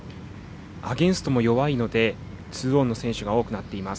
アゲンストも弱いので２オンの選手が多くなっています。